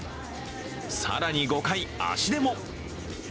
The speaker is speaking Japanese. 更に、５回、足でも。